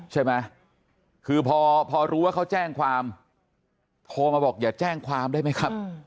ใช่ไหมคือพอรู้ว่าเขาแจ้งความโทรมาบอกอย่าแจ้งความได้ไหมครับ